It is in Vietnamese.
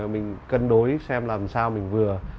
mình cân đối xem làm sao mình vừa